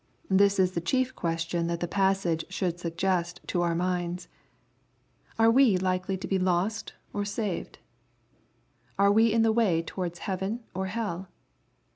This is the chief question that the passage should suggest to our minds« Are we likely to be lost or saved ? Are we in the way towards heaven or hell